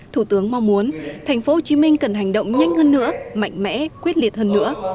thủ tướng mong muốn thành phố hồ chí minh cần hành động nhanh hơn nữa mạnh mẽ quyết liệt hơn nữa